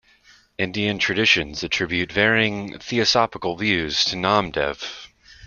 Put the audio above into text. Indian traditions attribute varying theosophical views to Namdev.